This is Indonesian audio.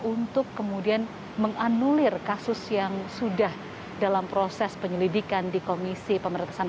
untuk kemudian menganulir kasus yang sudah dalam proses penyelidikan di komisi pemerintahan